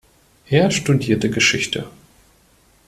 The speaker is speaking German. Er studierte Geschichte.